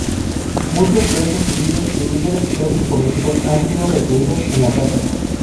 Muchos presos civiles y líderes presos políticos han sido recluidos en la cárcel.